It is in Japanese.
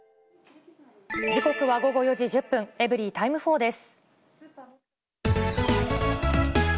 時刻は午後４時１０分、エブリィタイム４です。